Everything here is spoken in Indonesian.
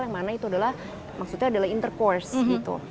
yang mana itu adalah maksudnya adalah intercourse gitu